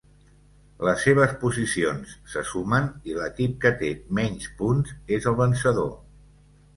Les seves posicions se sumen i l'equip que té menys punts és el vencedor.